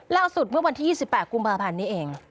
เล่าสุดเมื่อวันที่๒๘กุมประมาณนี้เอง